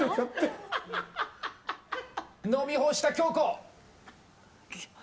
飲み干した、京子！